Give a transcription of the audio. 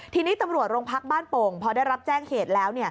ทีนี้ตำรวจโรงพักบ้านโป่งพอได้รับแจ้งเหตุแล้ว